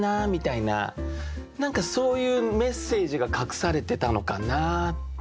何かそういうメッセージが隠されてたのかなっていう。